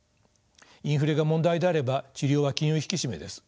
インフレが問題であれば治療は金融引き締めです。